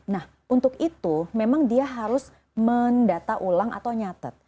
nah untuk itu memang dia harus mendata ulang atau nyatat